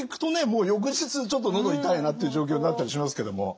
もう翌日ちょっと喉痛いなという状況になったりしますけども。